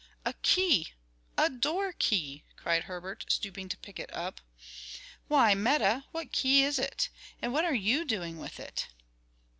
"A key! a door key!" cried Herbert, stooping to pick it up. "Why, Meta, what key is it? and what are you doing with it?"